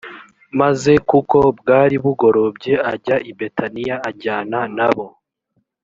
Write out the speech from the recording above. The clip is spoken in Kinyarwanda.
maze kuko bwari bugorobye ajya i betaniya ajyana nabo